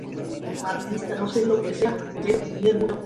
Fue derrotado en combate por Falcon, y llevado a la Bóveda.